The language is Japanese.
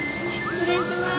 失礼します。